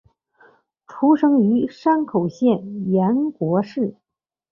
出身于山口县岩国市。